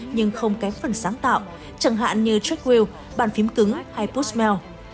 nhưng không kém phần sáng tạo chẳng hạn như track wheel bàn phím cứng hay pushmail